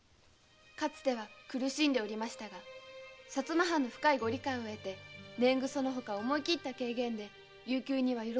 かつては苦しんでおりましたが薩摩藩の深いご理解を得て年貢そのほか思い切った軽減で琉球には喜びの声が溢れてます。